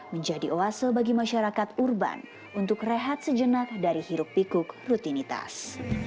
menjadi oase bagi masyarakat urban untuk rehat sejenak dari hiruk pikuk rutinitas